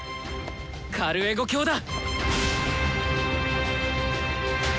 カルエゴ卿だ！